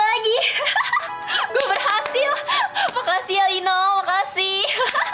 cantik lagi gue berhasil makasih ya lino makasih